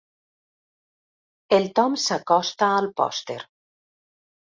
El Tom s'acosta al pòster.